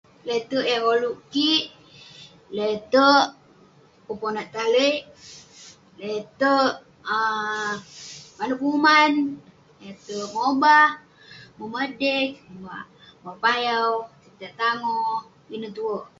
Le'terk yah koluk kik, le'terk peponat taleik, le'terk um manouk penguman..le'terk mobah, mobah dek, mobah payau, pitah tangoh. ineh tuwerk.